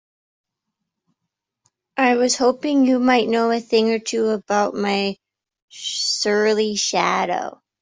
I was hoping you might know a thing or two about my surly shadow?